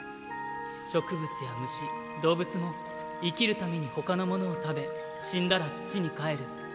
植物や虫動物も生きるためにほかのものを食べ死んだら土に還る。